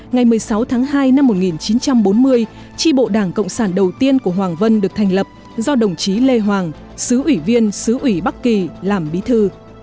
ngày một mươi sáu tháng hai năm một nghìn chín trăm bốn mươi tri bộ đảng cộng sản đầu tiên của hoàng vân được thành lập do đồng chí lê hoàng xứ ủy viên xứ ủy bắc kỳ làm bí thư